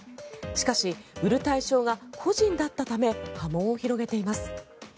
しかし、売る対象が個人だったため波紋を広げています。